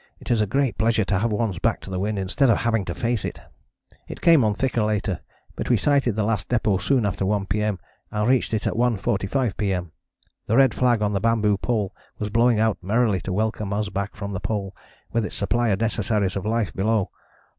It is a great pleasure to have one's back to the wind instead of having to face it. It came on thicker later, but we sighted the Last Depôt soon after 1 P.M. and reached it at 1.45 P.M. The red flag on the bamboo pole was blowing out merrily to welcome us back from the Pole, with its supply of necessaries of life below.